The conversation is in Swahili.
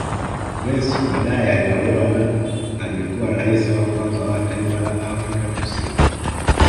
Grace badae aliolewa na aliyekuwa raisi wa kwanza wa taifa la Afrika Kusini